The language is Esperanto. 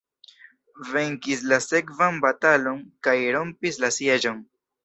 Venkis la sekvan batalon kaj rompis la sieĝon.